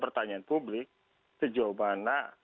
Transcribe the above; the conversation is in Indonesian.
pertanyaan publik sejauh mana